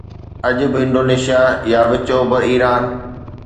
اڄ به انڊونيشيا يا وچ اوڀر ايران